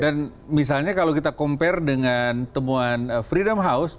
dan misalnya kalau kita compare dengan temuan freedom house